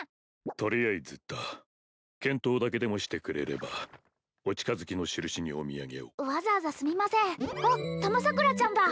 とりあえずだ検討だけでもしてくれればお近づきのしるしにおみやげをわざわざすみませんあったまさくらちゃんだ